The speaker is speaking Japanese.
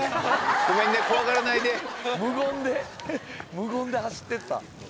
無言で走ってった。